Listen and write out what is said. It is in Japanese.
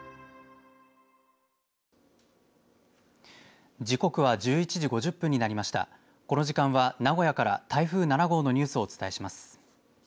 この時間は名古屋から台風７号のニュースをお伝えします。